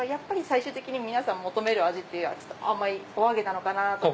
最終的に皆さん求める味って甘いお揚げなのかなぁと。